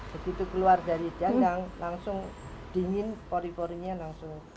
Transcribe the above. begitu keluar dari jadang langsung dingin pori porinya langsung